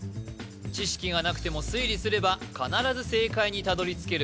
知識がなくても推理すれば必ず正解にたどり着ける